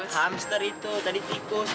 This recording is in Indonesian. hamster itu tadi tikus